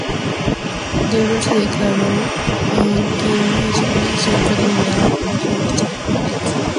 Lever se declaró en quiebra y su colección fue eliminada por subasta pública.